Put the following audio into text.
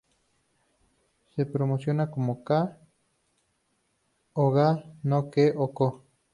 Se pronuncia como "ka" o "ga", no "ke" o "ko".